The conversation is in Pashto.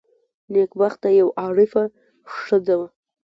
نېکبخته یوه عارفه ښځه وه.